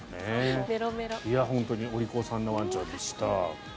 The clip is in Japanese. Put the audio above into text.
本当にお利口さんなワンちゃんでした。